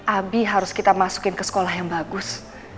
abi harus kita masukin ke sekolah yang bagus